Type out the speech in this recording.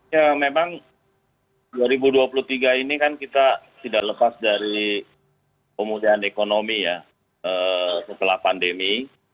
ya memang dua ribu dua puluh tiga ini kan kita tidak lepas dari pemulihan ekonomi ya setelah pandemi